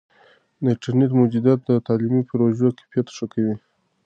د انټرنیټ موجودیت د تعلیمي پروژو کیفیت ښه کوي.